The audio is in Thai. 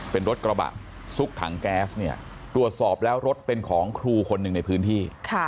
เป็นรถกระบะซุกถังแก๊สเนี่ยตรวจสอบแล้วรถเป็นของครูคนหนึ่งในพื้นที่